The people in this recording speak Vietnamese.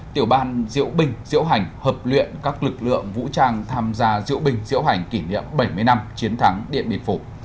tiểu ban diễu bình diễu hành hợp luyện các lực lượng vũ trang tham gia diễu bình diễu hành kỷ niệm bảy mươi năm chiến thắng điện biệt phủ